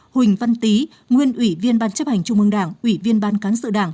huỳnh văn tý nguyên ủy viên ban chấp hành trung ương đảng ủy viên ban cán sự đảng